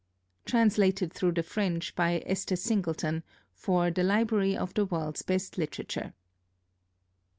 Translated through the French by Esther Singleton, for the 'Library of the World's Best Literature.'